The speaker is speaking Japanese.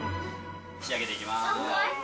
仕上げていきます。